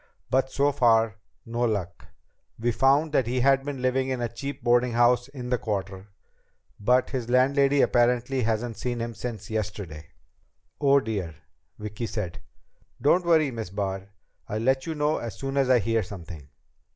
But so far, no luck. We found that he had been living in a cheap boardinghouse in the Quarter, but his landlady apparently hasn't seen him since yesterday." "Oh, dear!" Vicki said. "Don't worry, Miss Barr. I'll let you know as soon as I hear something."